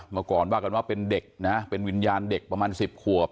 เมื่อก่อนว่ากันว่าเป็นเด็กนะเป็นวิญญาณเด็กประมาณ๑๐ขวบ